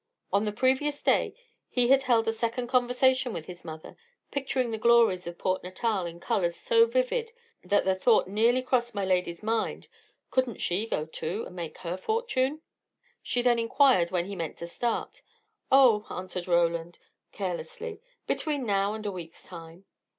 On the previous day, he had held a second conversation with his mother, picturing the glories of Port Natal in colours so vivid, that the thought nearly crossed my lady's mind, couldn't she go too, and make her fortune? She then inquired when he meant to start. "Oh," answered Roland, carelessly, "between now and a week's time."